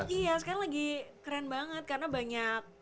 iya sekarang lagi keren banget karena banyak